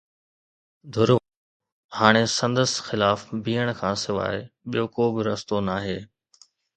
مخالف ڌر وٽ هاڻي سندس خلاف بيهڻ کان سواءِ ٻيو ڪو به رستو ناهي.